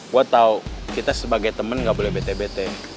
gue tau kita sebagai temen gak boleh bete bete